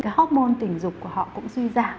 cái hóc môn tình dục của họ cũng suy giảm